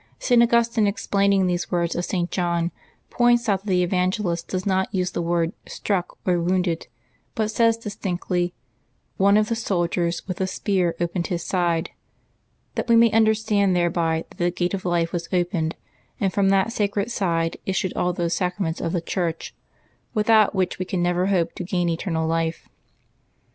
St. Augustine, explaining these words of St. John, points out that the Evangelist does not use the words struch or wounded, but says distinctly, " one of the soldiers with a spear opened His side," that we may understand thereby that the gate of life was opened, and from that sacred side issued all those sacraments of the Church without which we can never hope to gain eternal life.